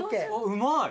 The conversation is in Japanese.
うまい！